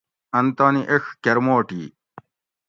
ان تانی ایڄ کۤرموٹی